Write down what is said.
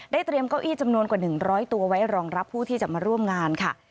เตรียมเก้าอี้จำนวนกว่า๑๐๐ตัวไว้รองรับผู้ที่จะมาร่วมงานค่ะ